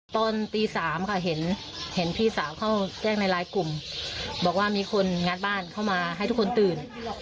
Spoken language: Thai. ตอนตี๓ค่ะเห็นพี่สาวเขาแจ้งในไลน์กลุ่มบอกว่ามีคนงัดบ้านเข้ามาให้ทุกคนตื่น